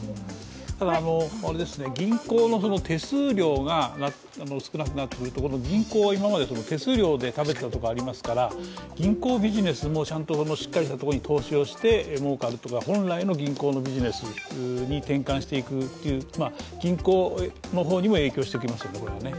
ただ、銀行の手数料が少なくなってくると銀行は今まで、手数料で食べてたところがありますから銀行ビジネスもしっかりしたところに投資をしてもうかるとか本来の銀行のビジネスに転換していくっていう銀行の方にも影響してきますよね。